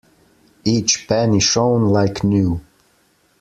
Each penny shone like new.